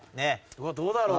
どうだろう？